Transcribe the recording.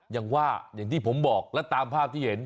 อย่างว่าอย่างที่ผมบอกแล้วตามภาพที่เห็น